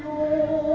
kepada yang maha kuasa